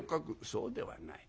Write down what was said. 「そうではない。